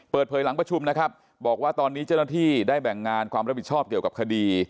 เปิดเผยหลังประชุมนะครับบอกว่าตอนนี้เจ้าหน้าที่ได้แบ่งงานความรับผิดชอบเกี่ยวกับคดี